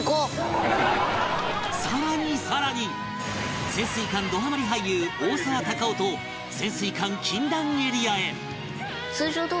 さらにさらに潜水艦どハマり俳優大沢たかおと潜水艦禁断エリアへ